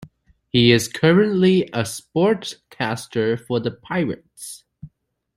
He is currently a sportscaster for the Pirates.